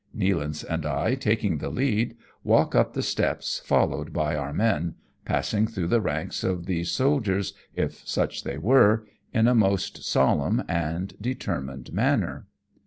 Nealance and I, taking the lead, walk up the steps followed by our men, passing through the ranks of these soldiers, if such they were, in a most solemn and determined manner.